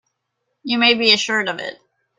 You may be assured of it.